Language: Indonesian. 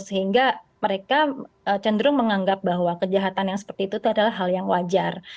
sehingga mereka cenderung menganggap bahwa kejahatan yang seperti itu adalah hal yang wajar